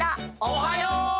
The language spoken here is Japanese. おはよう！